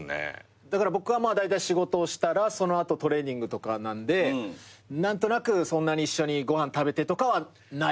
だから僕はだいたい仕事をしたらその後トレーニングとかなんで何となくそんなに一緒にご飯食べてとかはないですね。